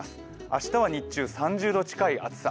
明日は日中、３０度近い暑さ。